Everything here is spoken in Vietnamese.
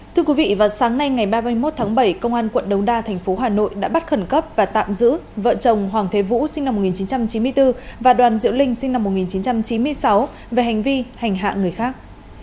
thưa quý vị vào sáng nay ngày ba mươi một tháng bảy công an quận đống đa thành phố hà nội đã bắt khẩn cấp và tạm giữ vợ chồng hoàng thế vũ sinh năm một nghìn chín trăm chín mươi bốn và đoàn diễu linh sinh năm một nghìn chín trăm chín mươi sáu về hành vi hành hạ người khác